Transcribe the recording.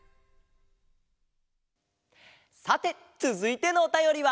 さてつづいてのおたよりは？